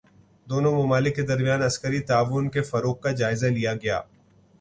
دونوں ممالک کے درمیان عسکری تعاون کے فروغ کا جائزہ لیا گیا